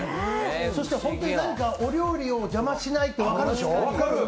そして本当にお料理を邪魔しないって分かるでしょ？